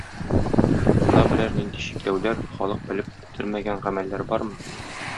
Монда берәр нинди чикләүләр, халык белеп бетермәгән гамәлләр бармы?